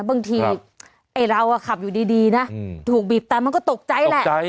บางทีไอ้เราขับอยู่ดีนะถูกบีบแต่มันก็ตกใจแหละ